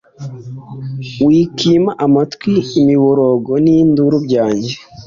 Wikwima amatwi imiborogo n’induru byanjye